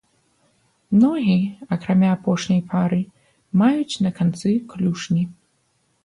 Ногі, акрамя апошняй пары, маюць на канцы клюшні.